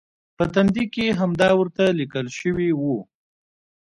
په تندي کې همدا ورته لیکل شوي و.